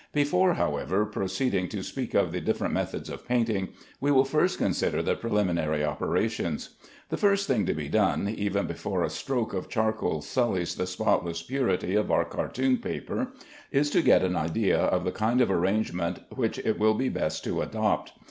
Before, however, proceeding to speak of the different methods of painting, we will first consider the preliminary operations. The first thing to be done, even before a stroke of charcoal sullies the spotless purity of our cartoon paper, is to get an idea of the kind of arrangement which it will be best to adopt.